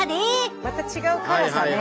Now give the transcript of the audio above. また違う辛さね。